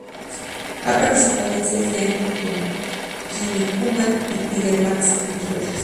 Ha participado en series de anime como Kinnikuman y Tiger Mask, entre otras.